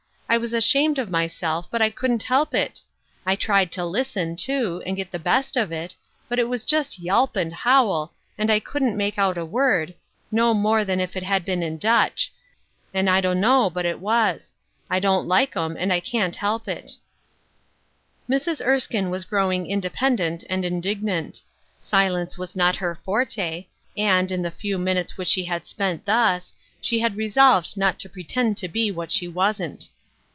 I was ashamed of my self, but I couldn't help it. I tried to listen, too, and get the best of it, but it was just yelp and howl, and I couldn't make out a word, no 14L Ruth Erskine's Crosses. more than if it had been in Dutch ; and I diinno but it was. I don't like 'em, an<^ I ^an't help it/ Mrs. Erskine was growing independent and indignant. Silence was not her forte, and, in the few minutes which she had spent thus, she had resolved not to pretend to be what she wasn't.